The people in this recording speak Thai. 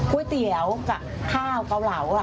ก๋วยเตี๋ยวกับข้าวเกาเหลา